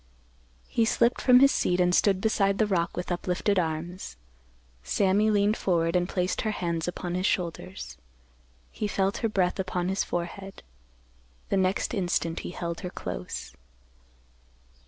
He slipped from his seat and stood beside the rock with uplifted arms. Sammy leaned forward and placed her hands upon his shoulders. He felt her breath upon his forehead. The next instant he held her close.